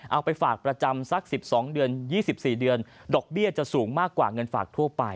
เอาไปฝากประจำสัก๑๒เดือน๒๔เดือนดอกเบี้ยจะสูงมากกว่าเงินฝากทั่วไป